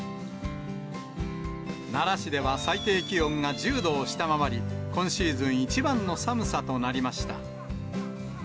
奈良市では最低気温が１０度を下回り、今シーズン一番の寒さとなりました。